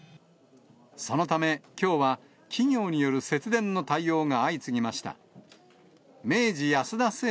そのため、きょうは企業による節電の対応が相次ぎました。